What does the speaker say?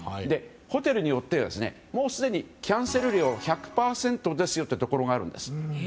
ホテルによってはもうすでに、キャンセル料が１００％ですというところがあるんです。